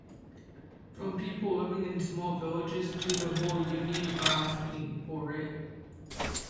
From people living in small villages to the whole Union are asking for it.